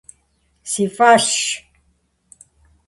Си фӀэщщ.